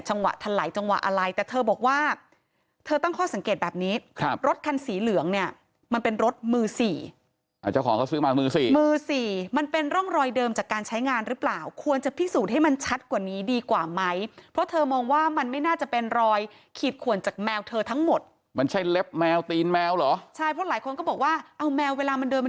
จังหวะถลัยจังหวะอะไรแต่เธอบอกว่าเธอตั้งข้อสังเกตแบบนี้ครับรถคันสีเหลืองเนี่ยมันเป็นรถมือสี่อ่าเจ้าของเขาซื้อมามือสี่มือสี่มันเป็นร่องรอยเดิมจากการใช้งานหรือเปล่าควรจะพิสูจน์ให้มันชัดกว่านี้ดีกว่าไหมเพราะเธอมองว่ามันไม่น่าจะเป็นรอยขีดขวนจากแมวเธอทั้งหมดมันใช่เล็บแมวตีนแมวเหรอใช่เพราะหลายคนก็บอกว่าเอาแมวเวลามันเดินมัน